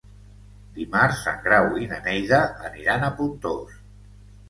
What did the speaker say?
Dimarts en Grau i na Neida aniran a Pontós.